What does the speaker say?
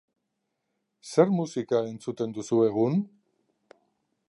Zer musika entzuten duzu egun?